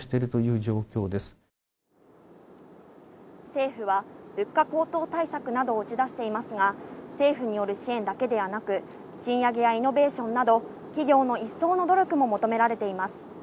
政府は物価高騰対策などを打ち出していますが、政府による支援だけでなく、賃上げやイノベーションなど、企業の一層の努力も求められています。